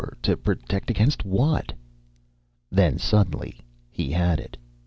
To protect against what?" Then, suddenly, he had it.